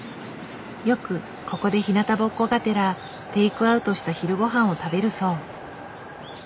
よくここでひなたぼっこがてらテイクアウトした昼ごはんを食べるそう。